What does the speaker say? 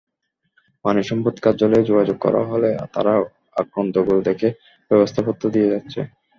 প্রাণিসম্পদ কার্যালয়ে যোগাযোগ করা হলে তারা আক্রান্ত গরু দেখে ব্যবস্থাপত্র দিয়ে যাচ্ছে।